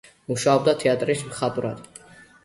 მუშაობდა თეატრის მხატვრად.